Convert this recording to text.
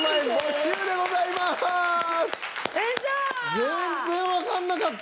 全然わかんなかった。